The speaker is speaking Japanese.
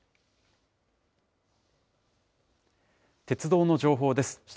鉄道の情報です。